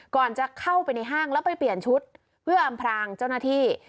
ก่อนจะเข้าไปในห้างแล้วไปเปลี่ยนชุดเพื่ออำพรางเจ้าหน้าที่